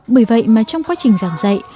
bởi vậy mà trong quá trình giảng dạy